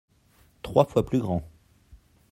trois fois plus grand.